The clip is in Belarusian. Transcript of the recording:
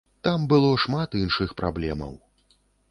Там было шмат іншых праблемаў.